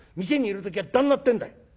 店にいる時は旦那ってんだい」。